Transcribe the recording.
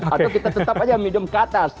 atau kita tetap aja minum ke atas